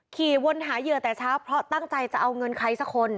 ขี่วนหาเหยื่อแต่เช้าเพราะตั้งใจจะเอาเงินใครสักคน